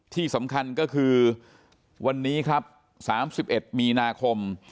ที่สำคัญก็คือวันนี้ครับ๓๑มีนาคม